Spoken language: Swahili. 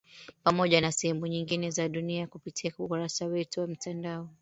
Pamoja na sehemu nyingine za dunia kupitia ukurasa wetu wa mtandao